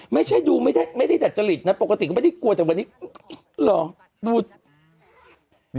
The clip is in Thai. เป็นกระดูกอ๋อไม่ใช่ดูไม่ได้แต่จริงนะปกติไม่ได้กลัวจากวันนี้